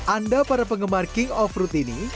anda para penggemar king of fruit ini